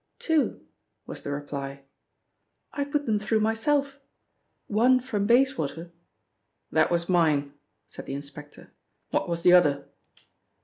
"Two," was the reply. "I put them through myself. One from Bayswater " "That was mine," said the Inspector. "What was the other?"